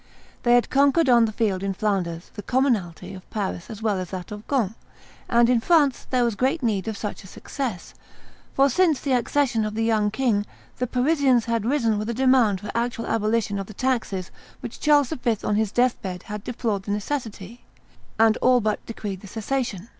They had conquered on the field in Flanders the commonalty of Paris as well as that of Ghent; and in France there was great need of such a success, for, since the accession of the young king, the Parisians had risen with a demand for actual abolition of the taxes of which Charles V., on his death bed, had deplored the necessity, and all but decreed the cessation.